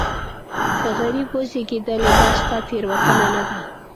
که غریب وزېږېدلې دا ستا تېروتنه نه ده.